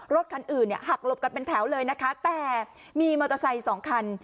รถคันอื่นเนี่ยหักหลบกันเป็นแถวเลยนะคะแต่มีมอเตอร์ไซค์สองคัน